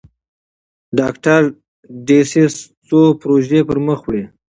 ډاکټر ډسیس څو پروژې پرمخ وړي.